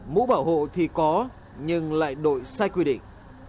mũ bảo hộ thì có nhưng lại đội sai quy định